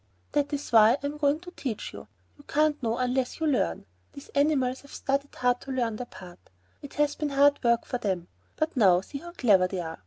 "That is why I am going to teach you. You can't know unless you learn. These animals have studied hard to learn their part. It has been hard work for them; but now see how clever they are.